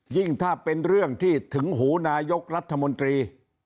ถ้าเป็นเรื่องที่ถึงหูนายกรัฐมนตรี